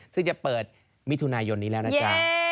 ซึ่งจะเปิดมิถุนายนนี้แล้วนะจ๊ะ